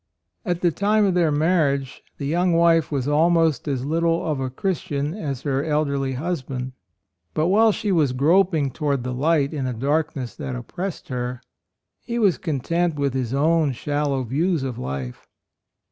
At the time of their marriage the young wife was almost as little of a Chris tian as her elderly husband; but while she was groping toward the light in a darkness that oppressed her, he was content with his own shallow views of life.